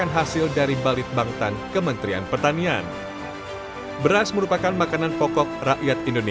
hasil pernikahan kita masih dua ton tiga ton